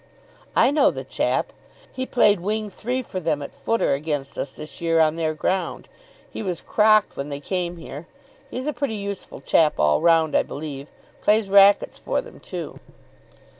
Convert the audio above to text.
"I know the chap. He played wing three for them at footer against us this year on their ground. He was crocked when they came here. He's a pretty useful chap all round, I believe. Plays racquets for them too."